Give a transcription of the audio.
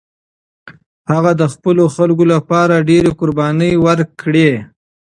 هغه د خپلو خلکو لپاره ډېرې قربانۍ ورکړې.